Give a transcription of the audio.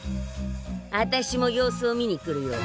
あたしも様子を見に来るよ。